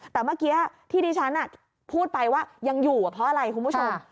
แต่เมื่อกี้ที่ดิฉันพูดไปว่ายังอยู่เพราะอะไรคุณผู้ชม